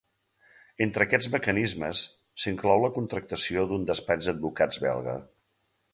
Entre aquests mecanismes, s’inclou la contractació d’un despatx d’advocats belga.